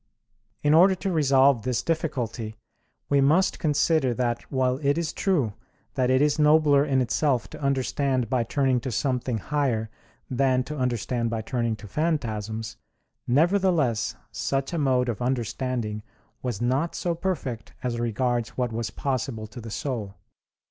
In order to resolve this difficulty we must consider that while it is true that it is nobler in itself to understand by turning to something higher than to understand by turning to phantasms, nevertheless such a mode of understanding was not so perfect as regards what was possible to the soul.